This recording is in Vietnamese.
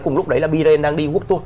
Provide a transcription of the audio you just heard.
cùng lúc đấy là b rain đang đi quốc tour